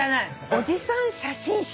おじさん写真集？